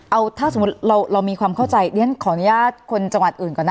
เอาถ้าสมมุติเรามีความเข้าใจเรียนขออนุญาตคนจังหวัดอื่นก่อนนะ